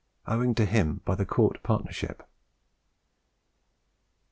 owing to him by the Cort partnership.